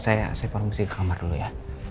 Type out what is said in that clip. saya saya mau berbisik ke kamar dulu ya